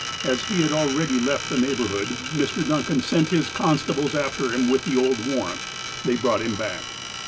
As he had already left the neighbourhood, Mr. Duncan sent his constables after him with the old warrant. They brought him back.